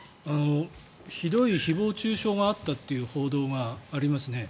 ひどい誹謗・中傷があったという報道がありますね。